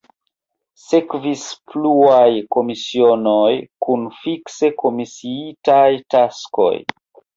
Sekvis pluaj komisionoj kun fikse komisiitaj taskoj.